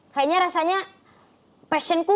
kayaknya rasanya passion ku